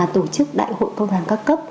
tổ chức đại hội công đoàn các cấp